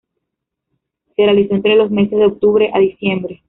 Se realizó entre los meses de octubre a diciembre.